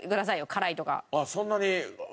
辛いとか。